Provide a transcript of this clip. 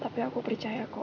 tapi aku percaya kok